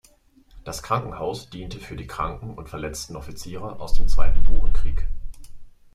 Das Krankenhaus diente für die kranken und verletzten Offiziere aus dem Zweiten Burenkrieg.